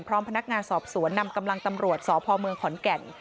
พร้อมพนักงานสอบสวนนำกำลังตำรวจสพเมืองขอนแก่น